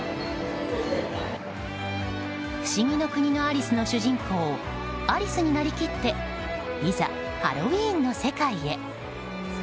「ふしぎの国のアリス」の主人公アリスになりきっていざ、ハロウィーンの世界へ。